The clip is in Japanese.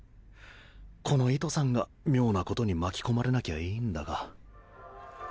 このいとさんが妙なことに巻き込まれなきゃいいんだが。